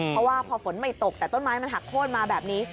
เพราะว่าพอฝนไม่ตกแต่ต้นไม้มันหักโค้นมาแบบนี้